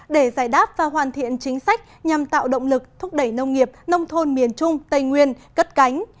để giải đáp và hoàn thiện chính sách nhằm tạo động lực thúc đẩy nông nghiệp nông thôn miền trung tây nguyên cất cánh